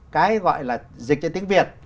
cái gọi là dịch trên tiếng việt